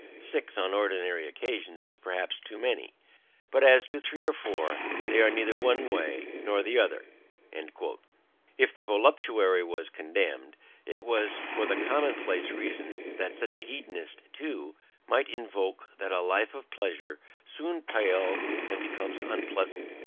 Six on ordinary occasions is perhaps too many; but as to three or four, they are neither one way nor the other." If the voluptuary was condemned, it was for the commonplace reason which a hedonist, too, might invoke, that a life of pleasure soon palls and becomes unpleasant.